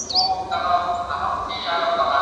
ته پاچا یې خدای درکړی سلطنت دئ